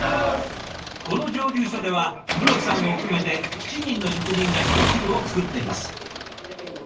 この蒸留所では黒木さんを含めて７人の職人が焼酎をつくっています。